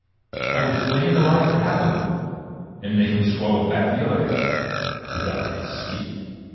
I would flay him alive for half of them, and make him swallow back the other half without his skin.